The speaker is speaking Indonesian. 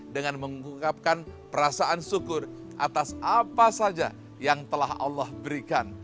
dengan mengungkapkan perasaan syukur atas apa saja yang telah allah berikan